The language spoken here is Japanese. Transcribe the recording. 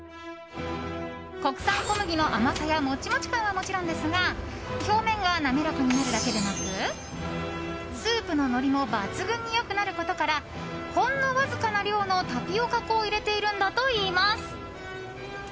国産小麦の甘さやモチモチ感はもちろんですが表面が滑らかになるだけでなくスープののりも抜群に良くなることからほんのわずかな量のタピオカ粉を入れているのだといいます。